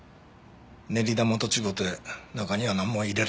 練り玉と違うて中にはなんも入れられへん。